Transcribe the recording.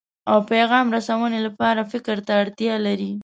او پیغام رسونې لپاره فکر ته اړتیا لري.